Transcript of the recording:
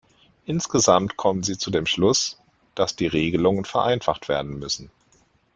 Insgesamt kommen Sie zu dem Schluss, dass die Regelungen vereinfacht werden müssen.